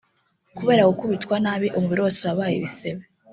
kubera gukubitwa nabi umubiri wose wabaye ibisebe